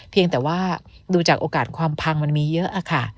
เพียงแต่ว่าดูจากโอกาสความพังมันมีเยอะค่ะ